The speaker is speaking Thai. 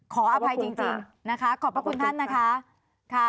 ขออภัยจริงนะคะขอบพระคุณท่านนะคะขอบพระคุณท่าน